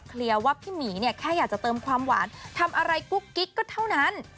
ว่าพี่หมีเนี่ยแค่อยากจะเติมความหวานทำอะไรกุ๊กกิ๊กก็เท่านั้น